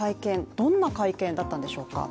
どんな会見だったんでしょうか？